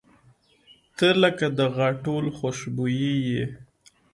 • ته لکه د غاټول خوشبويي یې.